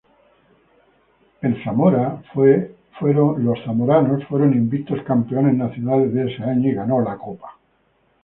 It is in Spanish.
Los Buckeyes fueron invictos campeones nacionales de ese año, y ganó el Rose Bowl.